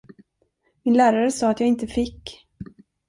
Min lärare sa att jag inte fick.